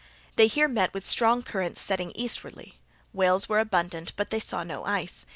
They here met with strong currents setting eastwardly. Whales were abundant, but they saw no ice.